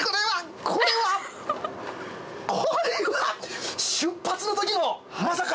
これはこれは！出発の時のまさか！